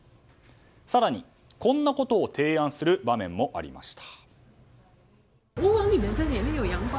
更にこんなことを提案する場面もありました。